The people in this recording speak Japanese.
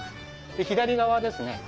左側ですね。